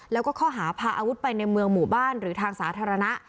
แล้วก็ข้อหาพาอาวุธไปในเมืองหมู่บ้านหรือทางสาธารณะ